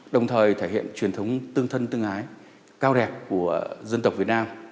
đồng thời thể hiện truyền thống tương thân tương ái cao đẹp của dân tộc việt nam